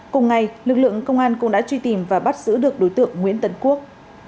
cùng ngày lực lượng công an cũng đã truy tìm và bắt giữ được đối tượng nguyễn tấn quốc